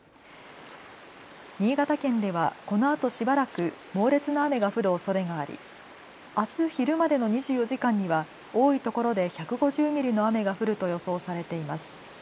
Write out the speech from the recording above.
新潟県ではこのあとしばらく猛烈な雨が降るおそれがありあす昼までの２４時間には多いところで１５０ミリの雨が降ると予想されています。